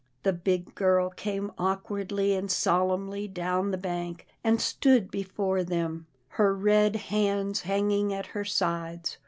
The big girl came awkwardly and solemnly down the bank, and stood before them, her red hands hanging at her sides.